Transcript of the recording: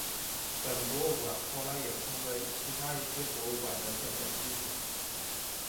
本博物馆后来成为其他一些博物馆的建馆基础。